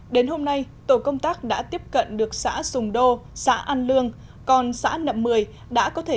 đến hôm nay tổ công tác đã tiếp cận được xã sùng đô xã an lương còn xã nậm mười đã có thể